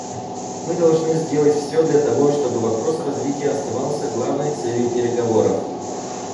Мы должны сделать все для того, чтобы вопрос развития оставался главной целью переговоров.